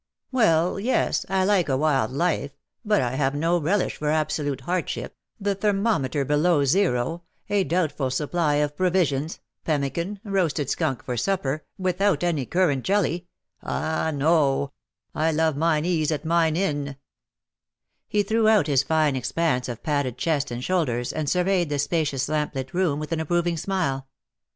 ^^ Well — yes — I like a wild life — but I have no relish for absolute hardship — the thermometer below zero, a doubtful supply of provisions, pemmican, roasted skunk for supper, without any currant jelly — no, I love mine ease at mine Inn/'' He threw out his fine expanse of padded chest aud shoulders, and surveyed the spacious lauip lit room with an approving smile.